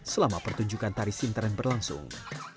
selama pertunjukan tari sinteren berlangsung